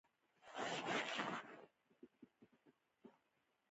اوس وار ستاسو دی چې کار ته ادامه ورکړئ.